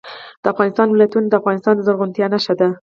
د افغانستان ولايتونه د افغانستان د زرغونتیا نښه ده.